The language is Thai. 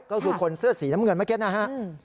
ก็คือคนเสื้อสีน้ำเงินเมื่อกี้นะฮะ